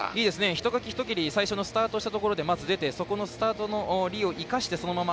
ひとかき、ひと蹴りスタートしたときに出てそこのスタートの利を生かしてそのまま。